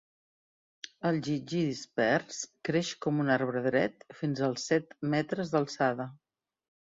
El gidgee dispers creix com un arbre dret fins als set metres d'alçada.